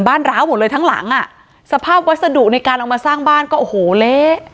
ร้าวหมดเลยทั้งหลังอ่ะสภาพวัสดุในการเอามาสร้างบ้านก็โอ้โหเละ